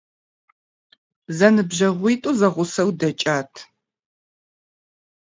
Зэныбжьэгъуитӏу зэгъусэу дэкӏат.